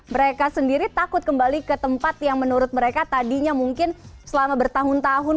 mereka sendiri takut kembali ke tempat yang menurut mereka tadinya mungkin selama bertahun tahun